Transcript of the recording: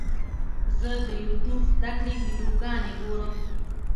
زه د یوټیوب زده کړې ویډیوګانې ګورم.